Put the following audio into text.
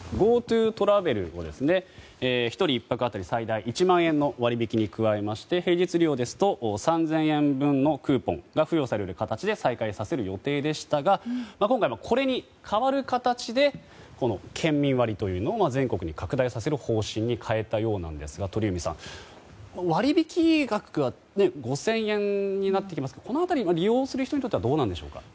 ＧｏＴｏトラベルを１人１泊当たり最大１万円の割引に加えまして平日利用ですと３０００円分のクーポンが付与される形で再開させる予定でしたが今回、これに代わる形で県民割というものを全国に拡大させる方針に変えたようなんですが鳥海さん、割引額は５０００円になってきますがこの辺り、利用する人にとってはどうなんでしょうか。